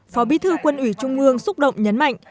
phó bí thư quân ủy trung ương xúc động nhấn mạnh